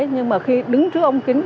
nhưng mà khi đứng trước ống kính